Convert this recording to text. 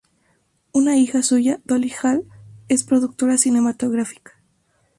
Una hija suya, Dolly Hall, es productora cinematográfica.